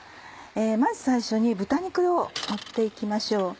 まず最初に豚肉を盛っていきましょう。